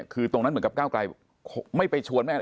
คือตรงนั้นเหมือนกับก้าวไกลไม่ไปชวนแม่